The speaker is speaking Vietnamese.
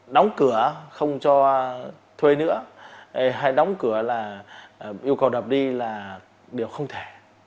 đóng cửa không cho thuê nữa hay đóng cửa là yêu cầu đập đi là điều không thể